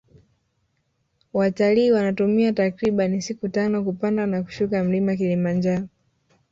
watalii wanatumia takribani siku tano kupanda na kushuka mlima kilimanjaro